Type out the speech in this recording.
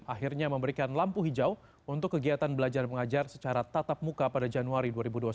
akhirnya memberikan lampu hijau untuk kegiatan belajar mengajar secara tatap muka pada januari dua ribu dua puluh satu